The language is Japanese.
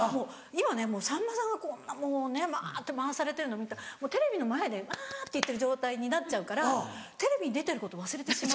今ねさんまさんがこんなもうねばって回されてるの見たらテレビの前でわって言ってる状態になっちゃうからテレビに出てること忘れてしまう。